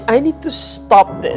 aku harus berhenti